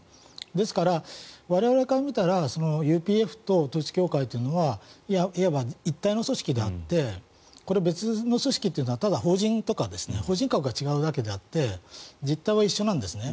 ですから、我々から見たらＵＰＦと統一教会というのはいわば一体の組織であってこれ別の組織というのは法人とか法人格が違うだけであって実態は一緒なんですね。